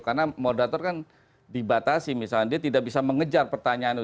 karena moderator kan dibatasi misalnya dia tidak bisa mengejar pertanyaan itu